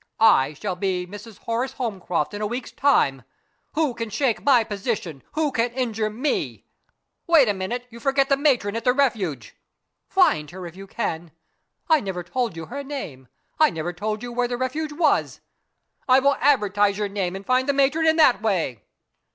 I shall be Mrs. Horace Holmcroft in a week's time. Who can shake my position? Who can injure Me?" "Wait a little. You forget the matron at the Refuge." "Find her, if you can. I never told you her name. I never told you where the Refuge was." "I will advertise your name, and find the matron in that way."